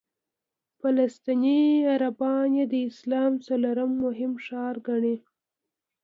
فلسطیني عربان یې د اسلام څلورم مهم ښار ګڼي.